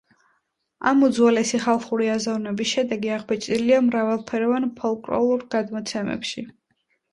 ამ უძველესი ხალხური აზროვნების შედეგი აღბეჭდილია მრავალფეროვან ფოლკლორულ გადმოცემებში.